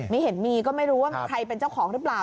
ไม่เห็นมีก็ไม่รู้ว่ามีใครเป็นเจ้าของหรือเปล่า